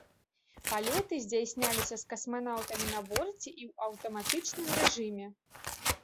Палёты здзяйсняліся з касманаўтамі на борце і ў аўтаматычным рэжыме.